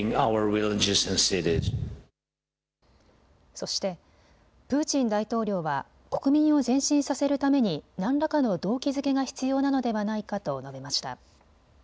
そしてプーチン大統領は国民を前進させるために何らかの動機づけが必要なのではないかと述べました。